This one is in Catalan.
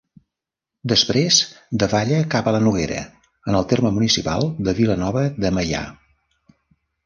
Després davalla cap a la Noguera, en el terme municipal de Vilanova de Meià.